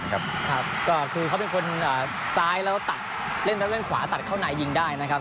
ก็คือเขาเป็นคนซ้ายแล้วก็เล่นเล่นขวาตัดเข้าในยิงได้นะครับ